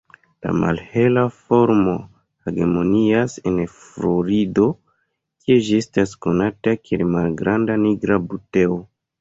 La malhela formo hegemonias en Florido, kie ĝi estas konata kiel "malgranda nigra buteo".